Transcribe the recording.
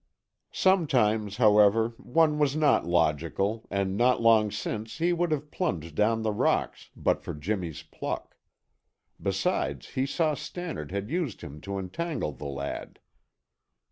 Sometimes, however, one was not logical and not long since he would have plunged down the rocks but for Jimmy's pluck. Besides he saw Stannard had used him to entangle the lad.